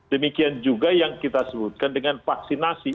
demikian juga yang kita sebutkan dengan vaksinasi